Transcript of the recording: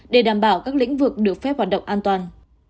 để đảm bảo các lĩnh vực được phép hoạt động an toàn